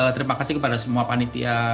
terima kasih kepada semua panitia